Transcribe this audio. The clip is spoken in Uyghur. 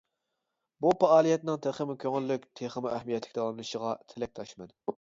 بۇ پائالىيەتنىڭ تېخىمۇ كۆڭۈللۈك، تېخىمۇ ئەھمىيەتلىك داۋاملىشىشىغا تىلەكداشمەن.